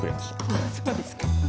あっそうですか。